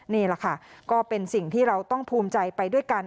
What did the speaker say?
นี่แหละค่ะก็เป็นสิ่งที่เราต้องภูมิใจไปด้วยกัน